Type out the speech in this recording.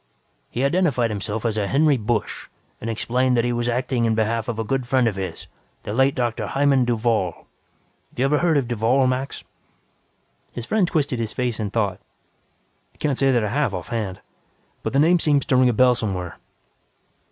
"He identified himself as a Henry Busch and explained that he was acting in behalf of a good friend of his, the late Dr. Hymann Duvall. Have you ever heard of Duvall, Max?" His friend twisted his face in thought. "Can't say that I have, off hand. But the name seems to ring a bell somewhere."